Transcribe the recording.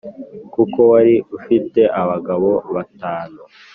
kuko wari ufite abagabo batanu